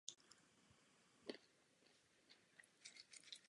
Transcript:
Je možné ji sjednat rovněž v souvislosti se jmenováním na vedoucí pracovní místo.